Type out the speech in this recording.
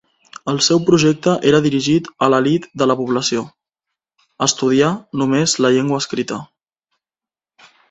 El seu projecte era dirigit a l'elit de la població, estudià només la llengua escrita.